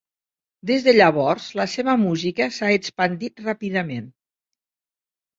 Des de llavors la seva música s'ha expandit ràpidament.